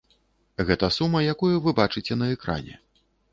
Гэта сума, якую вы бачыце на экране.